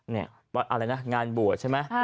อะไรนะงานบวชใช่ไหม